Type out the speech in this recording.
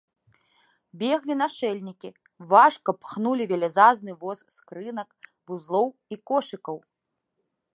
Беглі нашэльнікі, важка пхнулі вялізазны воз скрынак, вузлоў і кошыкаў.